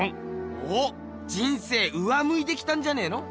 おっ人生上むいてきたんじゃねえの？